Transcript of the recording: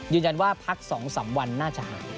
ยืนยันว่าพัก๒๓วันหน้าชาว